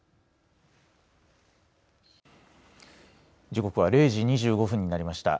時刻は０時２５分になりました。